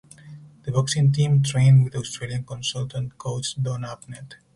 The boxing team trained with Australian consultant coach Don Abnett.